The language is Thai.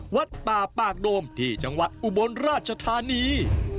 วัดป่าปากโดมที่จังหวัดอุบลราชธานี